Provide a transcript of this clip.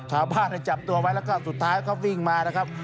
ชาวบ้านจับตัวไว้แล้วก็สุดท้ายเขาวิ่งมานะครับ